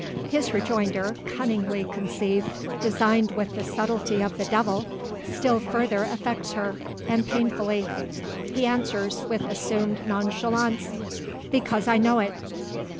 His rejoinder, cunningly conceived, designed with the subtlety of the devil, still further affects her, and painfully. He answers, with assumed nonchalance, "Because I know it."